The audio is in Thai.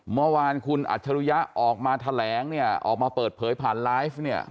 เมื่อวานคุณอัจฉริยะออกมาแถลงเนี่ยออกมาเปิดเผยผ่านไลฟ์เนี่ย